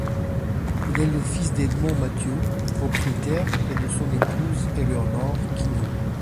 Il est le fils d’Edmond Mathieu, propriétaire, et de son épouse, Éléonore Quignon.